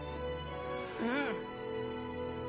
うん。